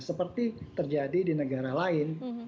seperti terjadi di negara lain